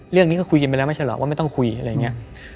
เรื่องนี้ก็คุยกันไปแล้วไม่ใช่หรอกว่าไม่ต้องคุยอะไรอย่างนี้